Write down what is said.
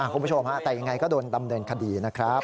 คุณผู้ชมฮะแต่ยังไงก็โดนดำเนินคดีนะครับ